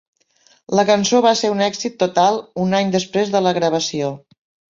La cançó va ser un èxit total un any després de la gravació.